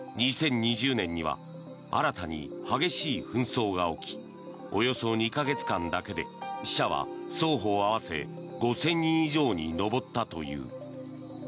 ２０２０年には新たに激しい紛争が起きおよそ２か月間だけで死者は双方合わせ５０００人以上に上ったという。